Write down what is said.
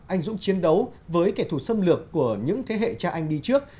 anh dũng chiến đấu với kẻ thù xâm lược của những thế hệ cha anh đi trước